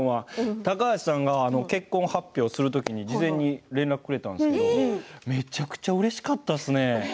高橋さんが結婚する時事前に連絡をくれたんですけどめちゃくちゃうれしかったですね。